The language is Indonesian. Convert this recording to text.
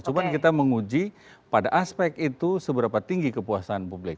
cuma kita menguji pada aspek itu seberapa tinggi kepuasan publik